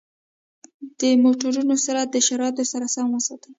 د موټرو سرعت د شرایطو سره سم وساتئ.